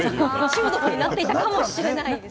中毒になっていたかもしれないです。